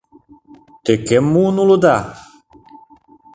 Те кӧм муын улыда?